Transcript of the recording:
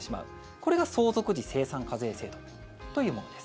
これが相続時精算課税制度というものです。